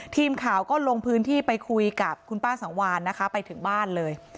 ทีมข่าวก็ลงพื้นที่ไปคุยกับคุณป้าสังวานนะคะไปถึงบ้านเลย